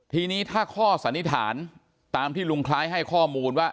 ทีนี้ถ้าข้อสันนิษฐานตามที่ลุงคล้ายให้ข้อมูลว่า